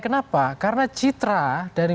kenapa karena citra dari